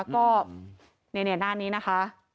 ก็นี่หน้านี้นะคะ